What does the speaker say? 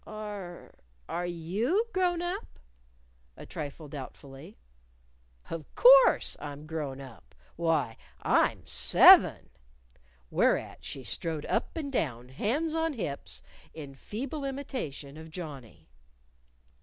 "Are are you grown up?" a trifle doubtfully. "Of course, I'm grown up! Why, I'm seven." Whereat she strode up and down, hands on hips, in feeble imitation of Johnnie.